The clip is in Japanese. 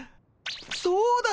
そうだ！